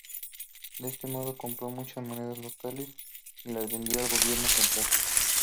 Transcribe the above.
De este modo, compró muchas monedas locales y las vendió al gobierno central.